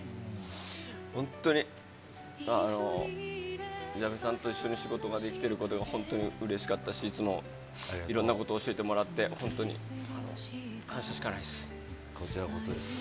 本当に、矢部さんと一緒に仕事ができていることが本当にうれしかったし、いつもいろんなこと教えてもらって、こちらこそです。